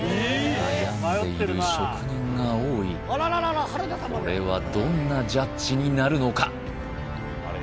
悩んでいる職人が多いこれはどんなジャッジになるのか？